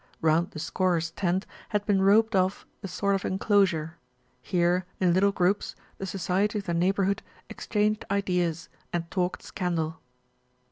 Round the scorers' tent had been roped off a sort of enclosure. Here, in little groups, the society of the neighbourhood exchanged ideas and talked scandal.